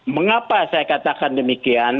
mengapa saya katakan demikian